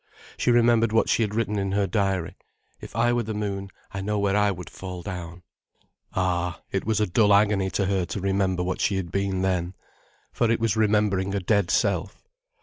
She remembered what she had written in her diary: "If I were the moon, I know where I would fall down." Ah, it was a dull agony to her to remember what she had been then. For it was remembering a dead self.